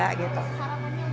harapannya buat fashion